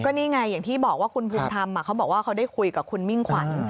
นี่ไงอย่างที่บอกว่าคุณภูมิธรรมเขาบอกว่าเขาได้คุยกับคุณมิ่งขวัญ